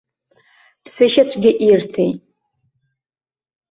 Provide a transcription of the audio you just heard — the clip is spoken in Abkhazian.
Ԥсышьацәгьа ирҭеит!